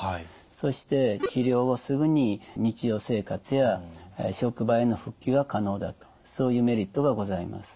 そして治療後すぐに日常生活や職場への復帰は可能だとそういうメリットがございます。